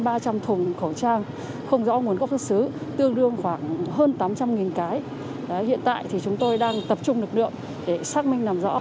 một thùng khẩu trang không rõ nguồn cốc xuất xứ tương đương khoảng hơn tám trăm linh cái hiện tại thì chúng tôi đang tập trung lực lượng để xác minh làm rõ